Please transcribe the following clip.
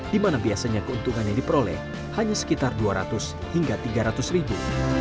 dimana biasanya keuntungannya diperoleh hanya sekitar dua ratus hingga tiga ratus ribu